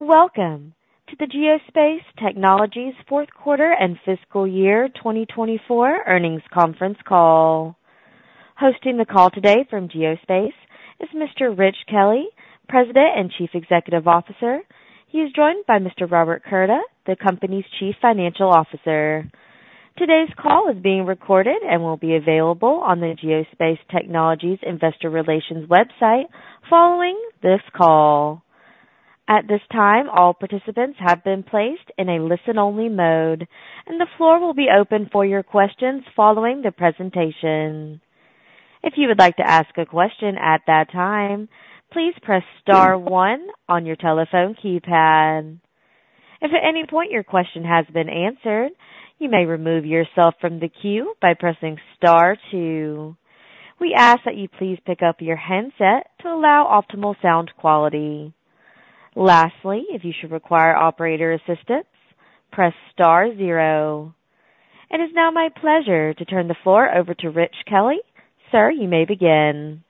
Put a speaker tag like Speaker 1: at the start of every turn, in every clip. Speaker 1: Welcome to the Geospace Technologies fourth quarter and fiscal year 2024 earnings conference call. Hosting the call today from Geospace is Mr. Rich Kelley, President and Chief Executive Officer. He is joined by Mr. Robert Curda, the company's Chief Financial Officer. Today's call is being recorded and will be available on the Geospace Technologies Investor Relations website following this call. At this time, all participants have been placed in a listen-only mode, and the floor will be open for your questions following the presentation. If you would like to ask a question at that time, please press star one on your telephone keypad. If at any point your question has been answered, you may remove yourself from the queue by pressing star two. We ask that you please pick up your headset to allow optimal sound quality. Lastly, if you should require operator assistance, press star zero. It is now my pleasure to turn the floor over to Rich Kelley. Sir, you may begin.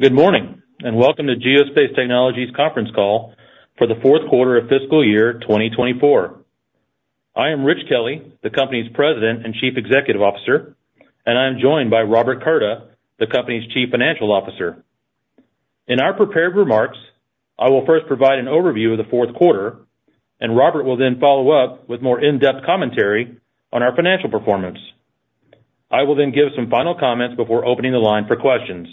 Speaker 2: Good morning and welcome to Geospace Technologies conference call for the fourth quarter of fiscal year 2024. I am Rich Kelley, the company's President and Chief Executive Officer, and I am joined by Robert Curda, the company's Chief Financial Officer. In our prepared remarks, I will first provide an overview of the fourth quarter, and Robert will then follow up with more in-depth commentary on our financial performance. I will then give some final comments before opening the line for questions.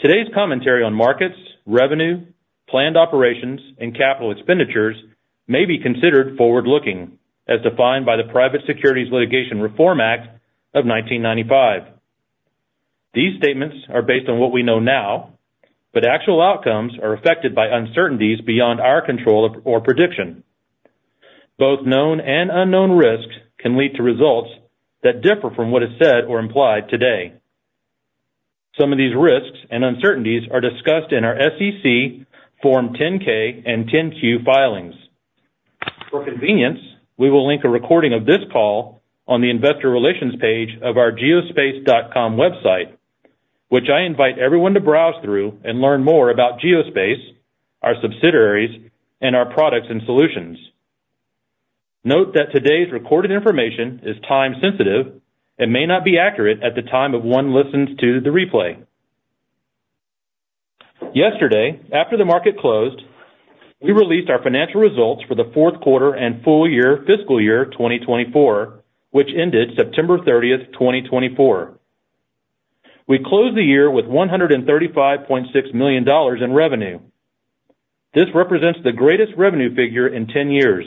Speaker 2: Today's commentary on markets, revenue, planned operations, and capital expenditures may be considered forward-looking, as defined by the Private Securities Litigation Reform Act of 1995. These statements are based on what we know now, but actual outcomes are affected by uncertainties beyond our control or prediction. Both known and unknown risks can lead to results that differ from what is said or implied today. Some of these risks and uncertainties are discussed in our SEC Form 10-K and 10-Q filings. For convenience, we will link a recording of this call on the investor relations page of our geospace.com website, which I invite everyone to browse through and learn more about Geospace, our subsidiaries, and our products and solutions. Note that today's recorded information is time-sensitive and may not be accurate at the time of one listens to the replay. Yesterday, after the market closed, we released our financial results for the fourth quarter and full year fiscal year 2024, which ended September 30th, 2024. We closed the year with $135.6 million in revenue. This represents the greatest revenue figure in 10 years.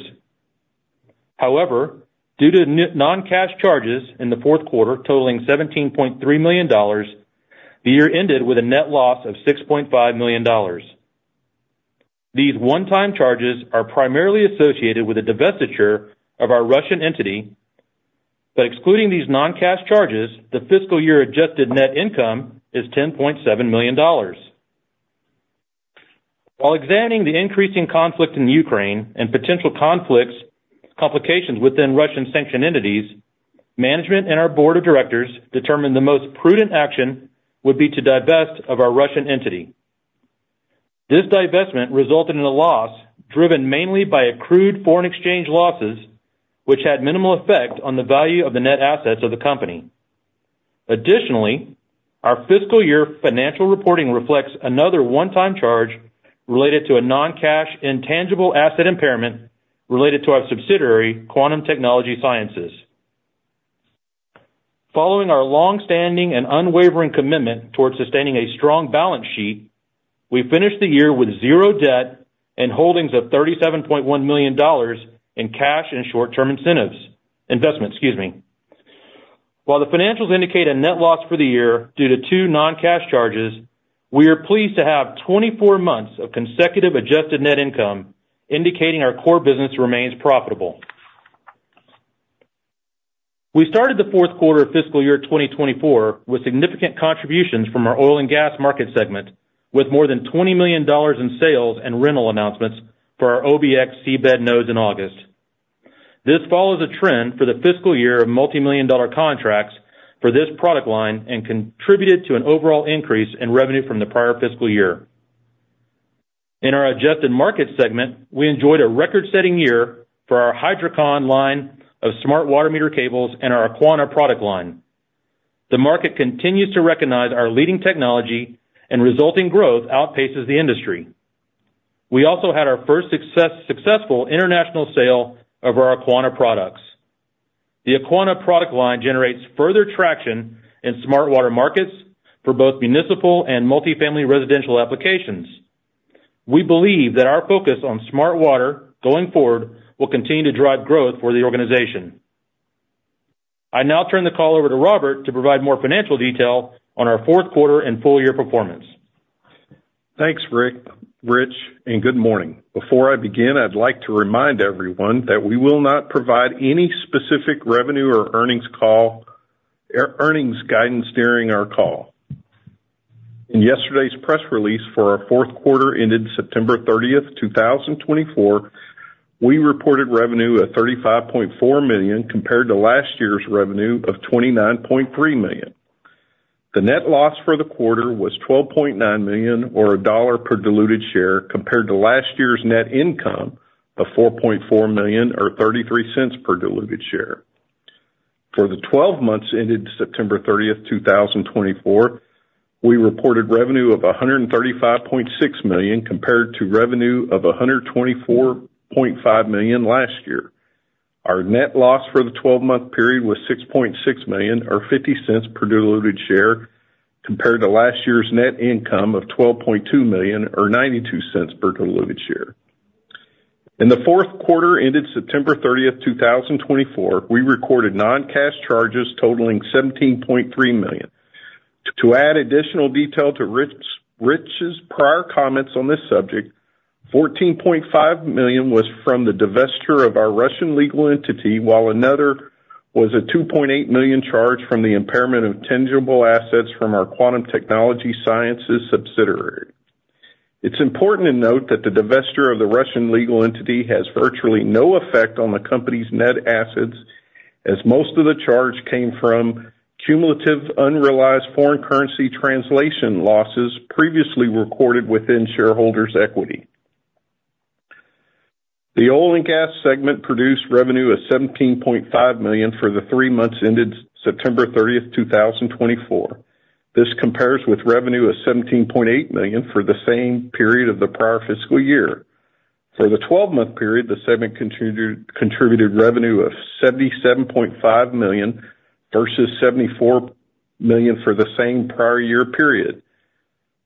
Speaker 2: However, due to non-cash charges in the fourth quarter totaling $17.3 million, the year ended with a net loss of $6.5 million. These one-time charges are primarily associated with a divestiture of our Russian entity, but excluding these non-cash charges, the fiscal year adjusted net income is $10.7 million. While examining the increasing conflict in Ukraine and potential conflicts, complications within Russian-sanctioned entities, management and our board of directors determined the most prudent action would be to divest of our Russian entity. This divestment resulted in a loss driven mainly by accrued foreign exchange losses, which had minimal effect on the value of the net assets of the company. Additionally, our fiscal year financial reporting reflects another one-time charge related to a non-cash intangible asset impairment related to our subsidiary, Quantum Technology Sciences. Following our long-standing and unwavering commitment towards sustaining a strong balance sheet, we finished the year with zero debt and holdings of $37.1 million in cash and short-term investments, excuse me. While the financials indicate a net loss for the year due to two non-cash charges, we are pleased to have 24 months of consecutive adjusted net income indicating our core business remains profitable. We started the fourth quarter of fiscal year 2024 with significant contributions from our oil and gas market segment, with more than $20 million in sales and rental announcements for our OBX seabed nodes in August. This follows a trend for the fiscal year of multi-million dollar contracts for this product line and contributed to an overall increase in revenue from the prior fiscal year. In our adjusted market segment, we enjoyed a record-setting year for our HydroCon line of smart water meter cables and our Aquana product line. The market continues to recognize our leading technology, and resulting growth outpaces the industry. We also had our first successful international sale of our Aquana products. The Aquana product line generates further traction in smart water markets for both municipal and multi-family residential applications. We believe that our focus on smart water going forward will continue to drive growth for the organization. I now turn the call over to Robert to provide more financial detail on our fourth quarter and full year performance.
Speaker 3: Thanks, Rick, Rich, and good morning. Before I begin, I'd like to remind everyone that we will not provide any specific revenue or earnings guidance during our call. In yesterday's press release for our fourth quarter ended September 30th, 2024, we reported revenue of $35.4 million compared to last year's revenue of $29.3 million. The net loss for the quarter was $12.9 million, or $1 per diluted share, compared to last year's net income of $4.4 million, or $0.33 per diluted share. For the 12 months ended September 30th, 2024, we reported revenue of $135.6 million compared to revenue of $124.5 million last year. Our net loss for the 12-month period was $6.6 million, or $0.50 per diluted share, compared to last year's net income of $12.2 million, or $0.92 per diluted share. In the fourth quarter ended September 30th, 2024, we recorded non-cash charges totaling $17.3 million. To add additional detail to Rich's prior comments on this subject, $14.5 million was from the divestiture of our Russian legal entity, while another was a $2.8 million charge from the impairment of tangible assets from our Quantum Technology Sciences subsidiary. It's important to note that the divestiture of the Russian legal entity has virtually no effect on the company's net assets, as most of the charge came from cumulative unrealized foreign currency translation losses previously recorded within shareholders' equity. The oil and gas segment produced revenue of $17.5 million for the three months ended September 30th, 2024. This compares with revenue of $17.8 million for the same period of the prior fiscal year. For the 12-month period, the segment contributed revenue of $77.5 million versus $74 million for the same prior year period.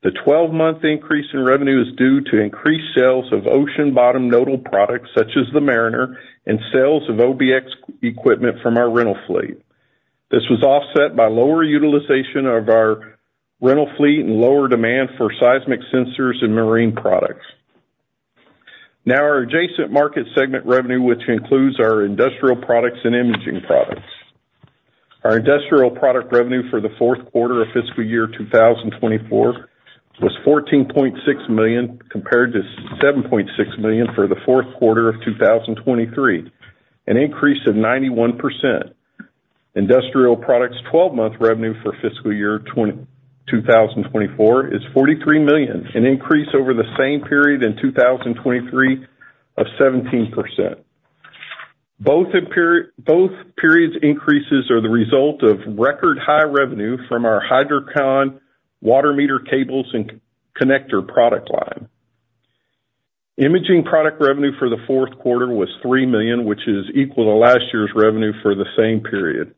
Speaker 3: The 12-month increase in revenue is due to increased sales of ocean-bottom nodal products such as the Mariner and sales of OBX equipment from our rental fleet. This was offset by lower utilization of our rental fleet and lower demand for seismic sensors and marine products. Now, our adjacent market segment revenue, which includes our industrial products and imaging products. Our industrial product revenue for the fourth quarter of fiscal year 2024 was $14.6 million compared to $7.6 million for the fourth quarter of 2023, an increase of 91%. Industrial products' 12-month revenue for fiscal year 2024 is $43 million, an increase over the same period in 2023 of 17%. Both periods' increases are the result of record-high revenue from our HydroCon water meter cables and connector product line. Imaging product revenue for the fourth quarter was $3 million, which is equal to last year's revenue for the same period.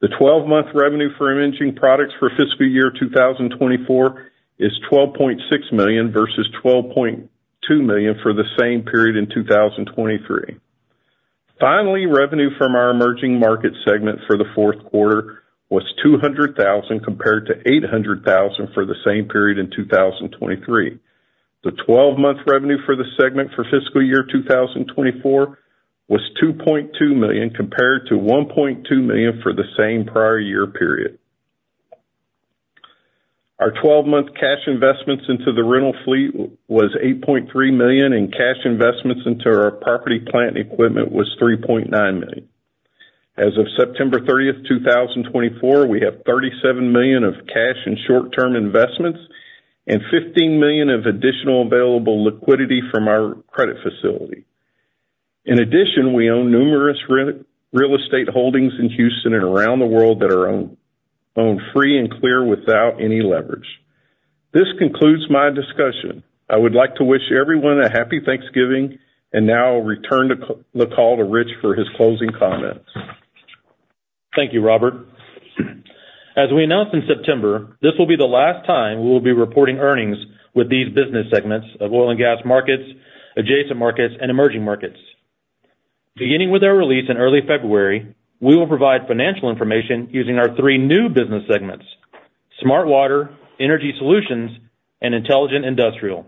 Speaker 3: The 12-month revenue for imaging products for fiscal year 2024 is $12.6 million versus $12.2 million for the same period in 2023. Finally, revenue from our emerging market segment for the fourth quarter was $200,000 compared to $800,000 for the same period in 2023. The 12-month revenue for the segment for fiscal year 2024 was $2.2 million compared to $1.2 million for the same prior year period. Our 12-month cash investments into the rental fleet was $8.3 million, and cash investments into our property plant and equipment was $3.9 million. As of September 30th, 2024, we have $37 million of cash and short-term investments and $15 million of additional available liquidity from our credit facility. In addition, we own numerous real estate holdings in Houston and around the world that are owned free and clear without any leverage. This concludes my discussion. I would like to wish everyone a happy Thanksgiving, and now I'll return the call to Rich for his closing comments.
Speaker 2: Thank you, Robert. As we announced in September, this will be the last time we will be reporting earnings with these business segments of oil and gas markets, adjacent markets, and emerging markets. Beginning with our release in early February, we will provide financial information using our three new business segments: smart water, energy solutions, and intelligent industrial.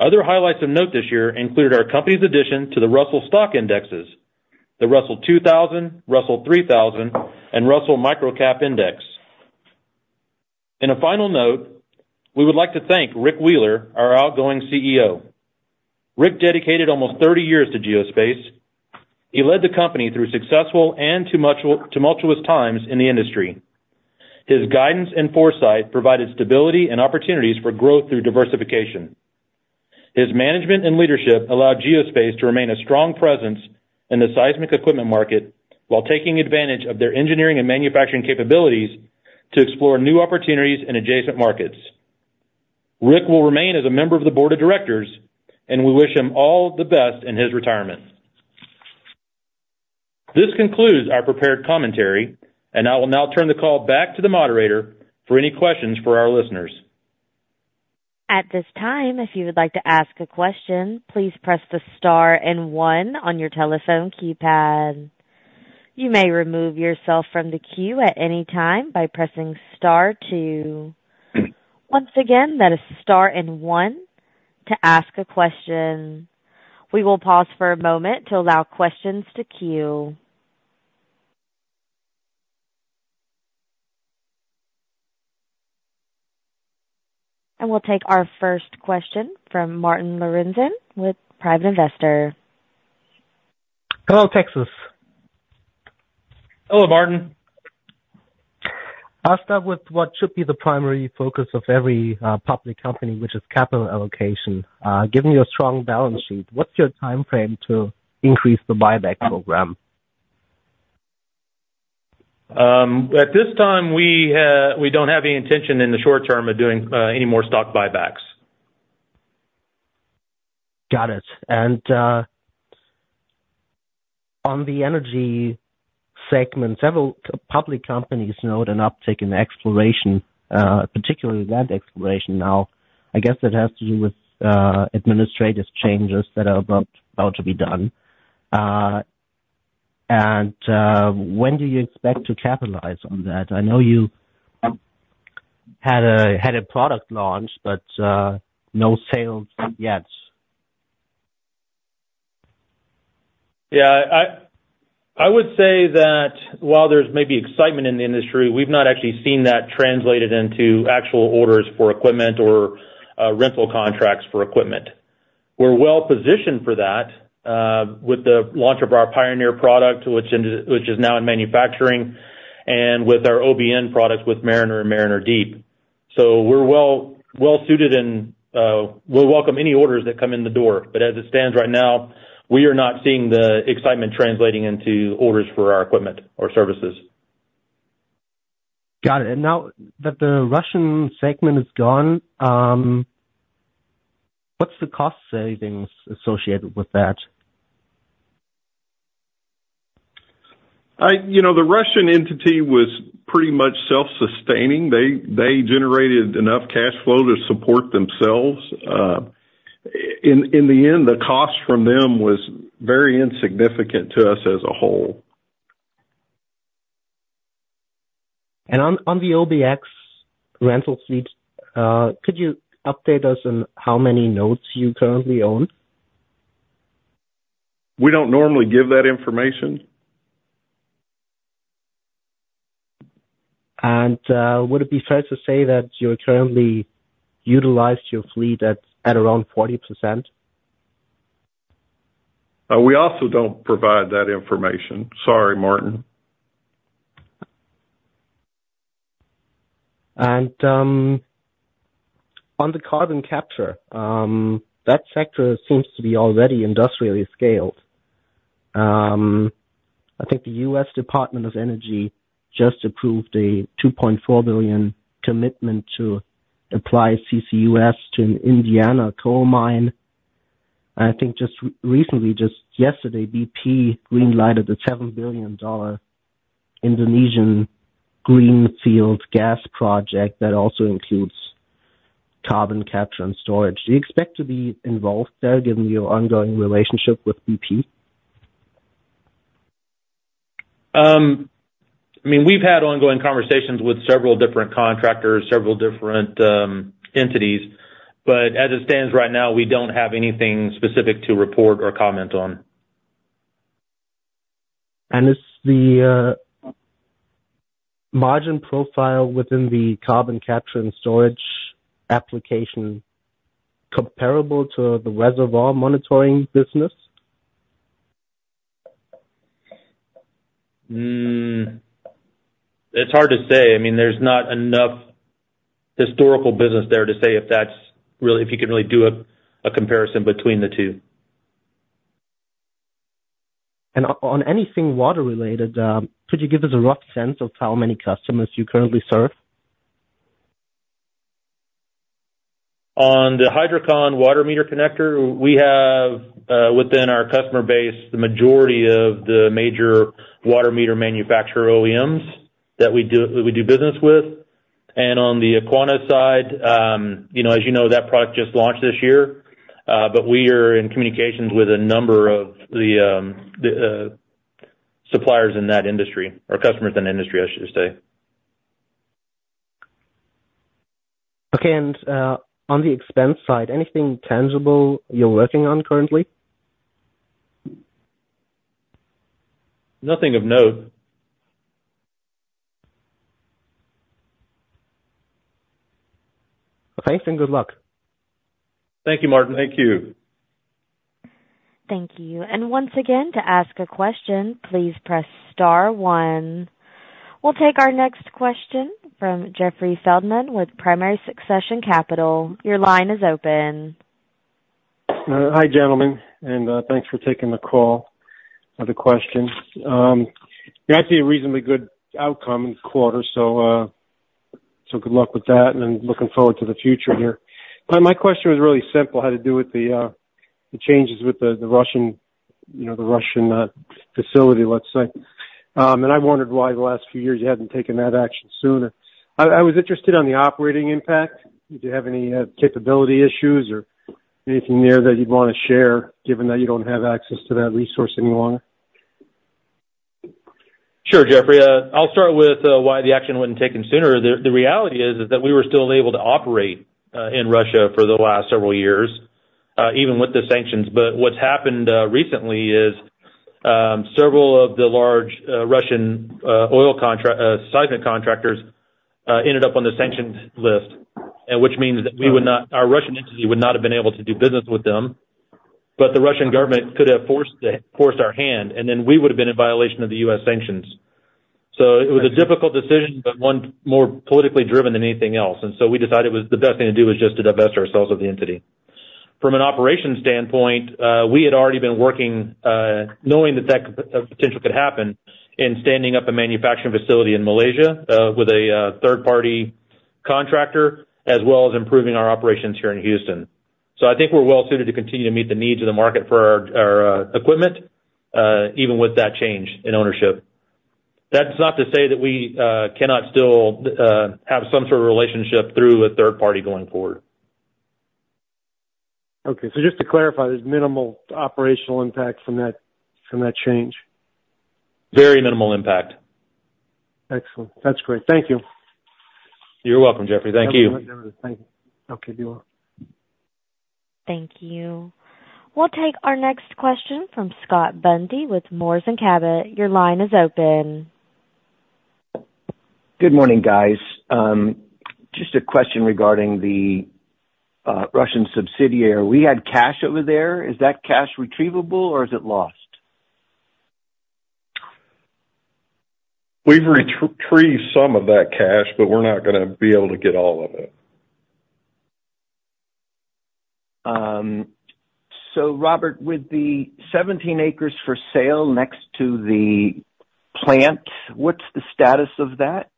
Speaker 2: Other highlights of note this year included our company's addition to the Russell Stock Indexes, the Russell 2000, Russell 3000, and Russell Microcap Index. In a final note, we would like to thank Rick Wheeler, our outgoing CEO. Rick dedicated almost 30 years to Geospace. He led the company through successful and tumultuous times in the industry. His guidance and foresight provided stability and opportunities for growth through diversification. His management and leadership allowed Geospace to remain a strong presence in the seismic equipment market while taking advantage of their engineering and manufacturing capabilities to explore new opportunities in adjacent markets. Rick will remain as a member of the board of directors, and we wish him all the best in his retirement. This concludes our prepared commentary, and I will now turn the call back to the moderator for any questions for our listeners.
Speaker 1: At this time, if you would like to ask a question, please press the star and one on your telephone keypad. You may remove yourself from the queue at any time by pressing star two. Once again, that is star and one to ask a question. We will pause for a moment to allow questions to queue, and we'll take our first question from Martin Lorenzen with Private Investor.
Speaker 4: Hello, Texas.
Speaker 2: Hello, Martin.
Speaker 4: I'll start with what should be the primary focus of every public company, which is capital allocation. Given your strong balance sheet, what's your time frame to increase the buyback program?
Speaker 2: At this time, we don't have any intention in the short term of doing any more stock buybacks.
Speaker 4: Got it. And on the energy segment, several public companies note an uptick in exploration, particularly land exploration. Now, I guess that has to do with administrative changes that are about to be done. And when do you expect to capitalize on that? I know you had a product launch, but no sales yet.
Speaker 2: Yeah, I would say that while there's maybe excitement in the industry, we've not actually seen that translated into actual orders for equipment or rental contracts for equipment. We're well positioned for that with the launch of our Pioneer product, which is now in manufacturing, and with our OBN products with Mariner and Mariner Deep. So we're well suited and will welcome any orders that come in the door. But as it stands right now, we are not seeing the excitement translating into orders for our equipment or services.
Speaker 4: Got it. And now that the Russian segment is gone, what's the cost savings associated with that?
Speaker 3: The Russian entity was pretty much self-sustaining. They generated enough cash flow to support themselves. In the end, the cost from them was very insignificant to us as a whole.
Speaker 4: On the OBX rental fleet, could you update us on how many nodes you currently own?
Speaker 3: We don't normally give that information.
Speaker 4: Would it be fair to say that you currently utilize your fleet at around 40%?
Speaker 3: We also don't provide that information. Sorry, Martin.
Speaker 4: On the carbon capture, that sector seems to be already industrially scaled. I think the U.S. Department of Energy just approved a $2.4 billion commitment to apply CCUS to an Indiana coal mine. I think just recently, just yesterday, BP greenlighted the $7 billion Indonesian greenfield gas project that also includes carbon capture and storage. Do you expect to be involved there, given your ongoing relationship with BP?
Speaker 2: I mean, we've had ongoing conversations with several different contractors, several different entities, but as it stands right now, we don't have anything specific to report or comment on.
Speaker 4: Is the margin profile within the carbon capture and storage application comparable to the reservoir monitoring business?
Speaker 2: It's hard to say. I mean, there's not enough historical business there to say if you can really do a comparison between the two.
Speaker 4: On anything water-related, could you give us a rough sense of how many customers you currently serve?
Speaker 2: On the HydroCon water meter connector, we have, within our customer base, the majority of the major water meter manufacturer OEMs that we do business with, and on the Aquana side, as you know, that product just launched this year, but we are in communications with a number of the suppliers in that industry, or customers in the industry, I should say.
Speaker 4: Okay. And on the expense side, anything tangible you're working on currently?
Speaker 2: Nothing of note.
Speaker 4: Okay, then good luck.
Speaker 2: Thank you, Martin.
Speaker 3: Thank you.
Speaker 1: Thank you, and once again, to ask a question, please press star one. We'll take our next question from Jeffrey Feldman with Primary Succession Capital. Your line is open.
Speaker 5: Hi, gentlemen, and thanks for taking the call for the question. You actually had a reasonably good outcome in the quarter, so good luck with that, and looking forward to the future here. My question was really simple, had to do with the changes with the Russian facility, let's say, and I wondered why the last few years you hadn't taken that action sooner. I was interested on the operating impact. Did you have any capability issues or anything there that you'd want to share, given that you don't have access to that resource any longer?
Speaker 2: Sure, Jeffrey. I'll start with why the action wasn't taken sooner. The reality is that we were still able to operate in Russia for the last several years, even with the sanctions, but what's happened recently is several of the large Russian oil seismic contractors ended up on the sanctions list, which means that our Russian entity would not have been able to do business with them, but the Russian government could have forced our hand, and then we would have been in violation of the U.S. sanctions, so it was a difficult decision, but one more politically driven than anything else, and so we decided the best thing to do was just to divest ourselves of the entity. From an operations standpoint, we had already been working, knowing that that potential could happen, in standing up a manufacturing facility in Malaysia with a third-party contractor, as well as improving our operations here in Houston. So I think we're well suited to continue to meet the needs of the market for our equipment, even with that change in ownership. That's not to say that we cannot still have some sort of relationship through a third party going forward.
Speaker 5: Okay. So just to clarify, there's minimal operational impact from that change?
Speaker 2: Very minimal impact.
Speaker 5: Excellent. That's great. Thank you.
Speaker 2: You're welcome, Jeffrey. Thank you.
Speaker 5: Thank you. Okay. Do well.
Speaker 1: Thank you. We'll take our next question from Scott Bundy with Moors & Cabot. Your line is open.
Speaker 6: Good morning, guys. Just a question regarding the Russian subsidiary. We had cash over there. Is that cash retrievable, or is it lost?
Speaker 3: We've retrieved some of that cash, but we're not going to be able to get all of it.
Speaker 6: So Robert, with the 17 acres for sale next to the plant, what's the status of that?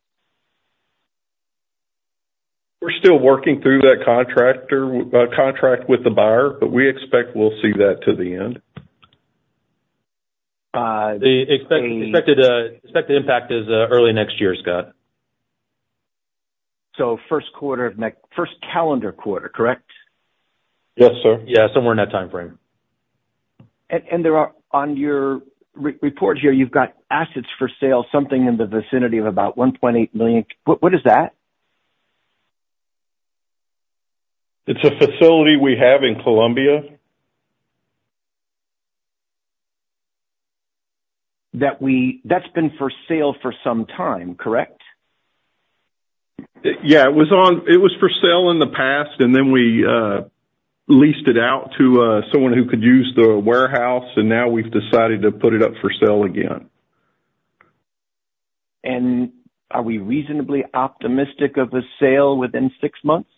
Speaker 3: We're still working through that contract with the buyer, but we expect we'll see that to the end.
Speaker 2: The expected impact is early next year, Scott.
Speaker 6: So first calendar quarter, correct?
Speaker 3: Yes, sir.
Speaker 2: Yeah, somewhere in that time frame.
Speaker 6: On your report here, you've got assets for sale, something in the vicinity of about $1.8 million. What is that?
Speaker 3: It's a facility we have in Colombia.
Speaker 6: That's been for sale for some time, correct?
Speaker 3: Yeah. It was for sale in the past, and then we leased it out to someone who could use the warehouse, and now we've decided to put it up for sale again.
Speaker 6: Are we reasonably optimistic of a sale within six months?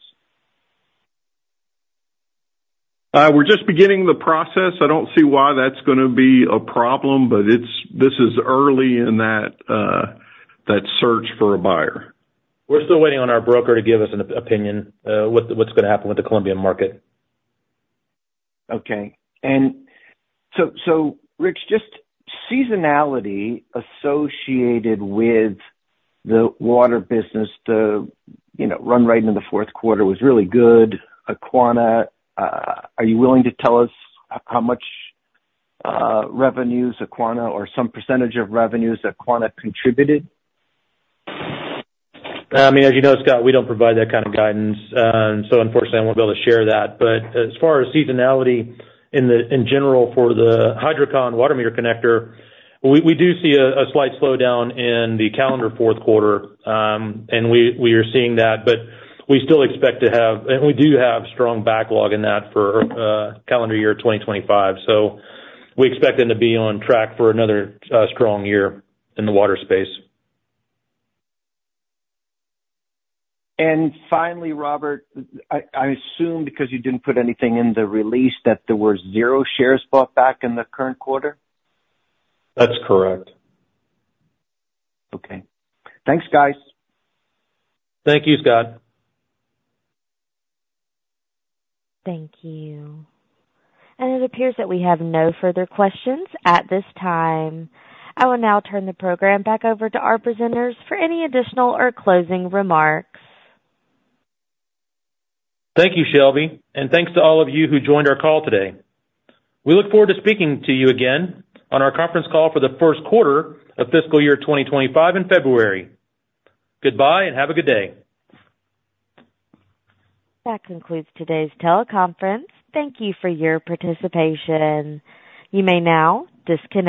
Speaker 3: We're just beginning the process. I don't see why that's going to be a problem, but this is early in that search for a buyer.
Speaker 2: We're still waiting on our broker to give us an opinion on what's going to happen with the Colombian market.
Speaker 6: Okay. And so, Rich, just seasonality associated with the water business, the run rate in the fourth quarter was really good. Aquana, are you willing to tell us how much revenues, Aquana, or some percentage of revenues Aquana contributed?
Speaker 2: I mean, as you know, Scott, we don't provide that kind of guidance. So unfortunately, I won't be able to share that. But as far as seasonality in general for the HydroCon water meter connector, we do see a slight slowdown in the calendar fourth quarter, and we are seeing that. But we still expect to have, and we do have strong backlog in that for calendar year 2025. So we expect them to be on track for another strong year in the water space.
Speaker 6: Finally, Robert, I assume because you didn't put anything in the release that there were zero shares bought back in the current quarter?
Speaker 2: That's correct.
Speaker 6: Okay. Thanks, guys.
Speaker 2: Thank you, Scott.
Speaker 1: Thank you. It appears that we have no further questions at this time. I will now turn the program back over to our presenters for any additional or closing remarks.
Speaker 2: Thank you, Shelby, and thanks to all of you who joined our call today. We look forward to speaking to you again on our conference call for the first quarter of fiscal year 2025 in February. Goodbye and have a good day.
Speaker 1: That concludes today's teleconference. Thank you for your participation. You may now disconnect.